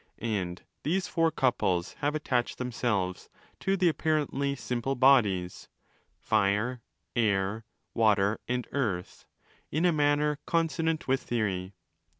And these four couples have attached themselves to the apparently 'simple' bodies (Fire, Air, Water, and Earth) in a manner consonant with theory.